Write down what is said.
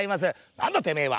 「なんだてめえは。